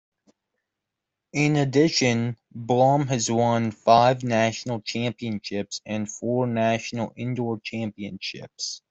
In addition, Blom has won five national championships and four national indoor championships.